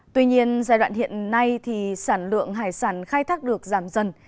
tuy nhiên giai đoạn hiện nay thì sản lượng hải sản khai thác được giảm dần